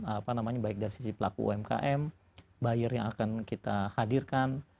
apa namanya baik dari sisi pelaku umkm buyer yang akan kita hadirkan